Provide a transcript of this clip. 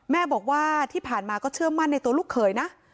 แม่บอกว่าที่ผ่านมาก็เชื่อมั่นในตัวลูกเขยนะ